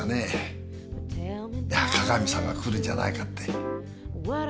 いや加々美さんが来るんじゃないかって。